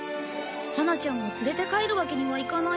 ハナちゃんを連れて帰るわけにはいかないし。